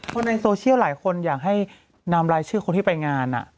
คนในโซเชียลหลายคนอยากให้นำรายชื่อคนที่ไปงาน